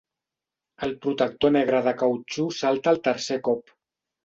El protector negre de cautxú salta al tercer cop.